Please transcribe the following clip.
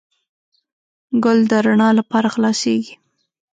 ګل د رڼا لپاره خلاصیږي.